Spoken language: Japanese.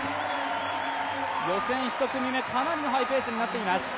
予選１組目、かなりのハイペースになっています。